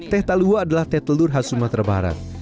teh ketal dua adalah teh telur khas sumatera barat